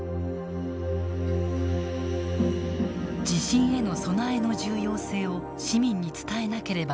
地震への備えの重要性を市民に伝えなければならない。